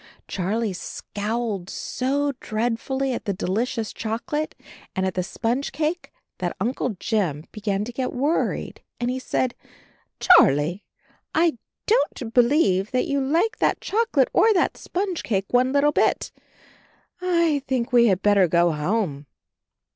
Charlie scowled so dreadfully at the delicious chocolate and at the sponge cake that Uncle Jim began to get worried, and he said, "Charlie, I don't be lieve that you like that chocolate or that sponge cake one little bit. I think we had better go home."